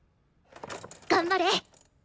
頑張れ！